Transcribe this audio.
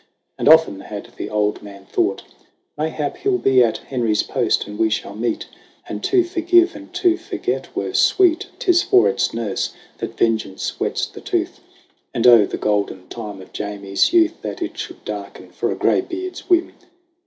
And often had the old man thought, 'Mayhap He'll be at Henry's Post and we shall meet ; And to forgive and to forget were sweet : J Tis for its nurse that Vengeance whets the tooth ! And oh the golden time of Jamie's youth, That it should darken for a graybeard's whim